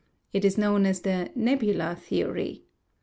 It is known as the Nebular theory.